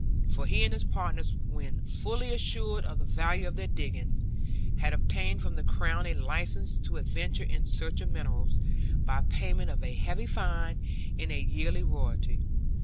For he and his partners when fully assured of the value of their diggings, had obtained from the Crown a licence to adventure in search of minerals, by payment of a heavy fine and a yearly royalty.